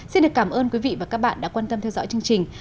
xin được cảm ơn quý vị và các bạn đã quan tâm theo dõi chương trình